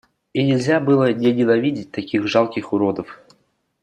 И нельзя было не ненавидеть таких жалких уродов.